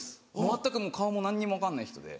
全く顔も何にも分かんない人で。